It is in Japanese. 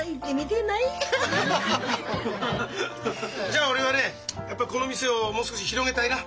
じゃあ俺はねやっぱこの店をもう少し広げたいな。